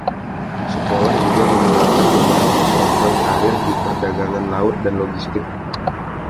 Sekolah juga menawarkan beberapa program karier di perdagangan laut dan logistik.